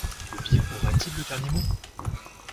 Le bien aura-t-il le dernier mot ?